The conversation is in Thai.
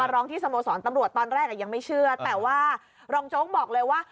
เอาลองที่สโมสรตำรวจล่ะยังไม่เชื่อแกว่าลองโจ๊กบอกเลยว่า